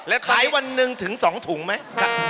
แล้วขายวันหนึ่งถึง๒ถุงไหม